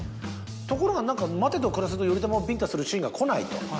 ところが待てど暮らせど頼朝をビンタするシーンがこないと。